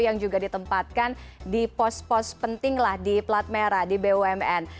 yang juga ditempatkan di pos pos penting lah di plat merah di bumn